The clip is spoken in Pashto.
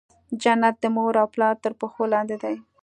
جنت د مور او پلار تر پښو لاندي دی.